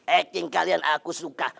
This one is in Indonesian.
acting kalian aku suka